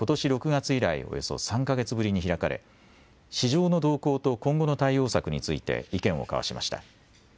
６月以来、およそ３か月ぶりに開かれ市場の動向と今後の対応策について意見を交わしました。